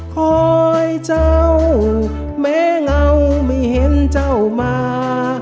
คอยเจ้าแม้เงาไม่เห็นเจ้ามา